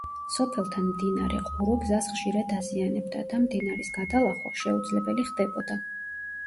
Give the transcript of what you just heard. სოფელთან მდინარე ყურო გზას ხშირად აზიანებდა და მდინარის გადალახვა შეუძლებელი ხდებოდა.